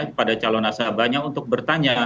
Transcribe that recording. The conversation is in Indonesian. kepada calon nasabahnya untuk bertanya